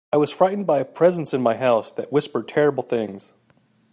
I was frightened by a presence in my house that whispered terrible things.